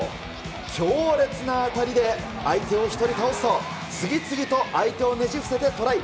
強烈な当たりで、相手を１人倒すと、次々と相手をねじ伏せてトライ。